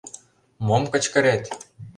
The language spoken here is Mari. Мом кычкырет!